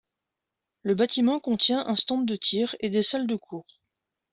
Le bâtiment contient un stand de tir et des salles de cours.